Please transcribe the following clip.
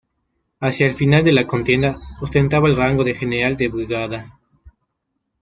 Hacia el final de la contienda ostentaba el rango de general de brigada.